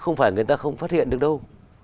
không phải người ta không phát hiện được đâu